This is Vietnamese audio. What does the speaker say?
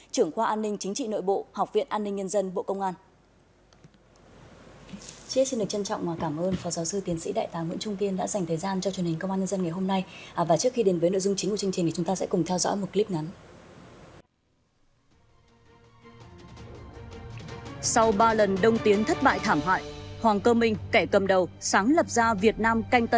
trưởng khoa an ninh chính trị nội bộ học viện an ninh nhân dân bộ công an